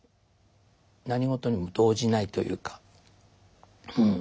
何事にも動じないというかうん。